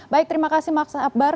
baik terima kasih maksa akbar